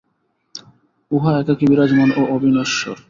উহা একাকী বিরাজমান ও অবিনশ্বর।